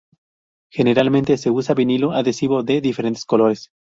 Generalmente se usa 'vinilo' adhesivo de diferentes colores.